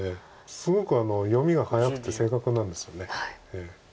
すごく読みが早くて正確なんですよね。